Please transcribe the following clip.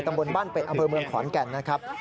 ตำบลบ้านเป็ดอำเภอเมืองขอนแก่นนะครับ